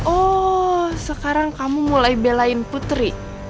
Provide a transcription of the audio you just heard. oh sekarang kamu mulai belain putri